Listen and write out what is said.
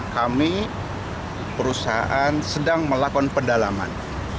kami perusahaan sedang melakukan pendalaman